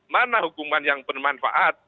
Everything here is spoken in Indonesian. mana hukuman yang bermanfaat